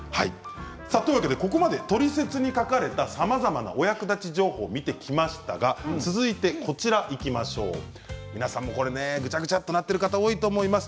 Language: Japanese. ここまでトリセツに書かれたさまざまなお役立ち情報を見てきましたが続いて皆さんもぐちゃぐちゃっとなっている方多いと思います。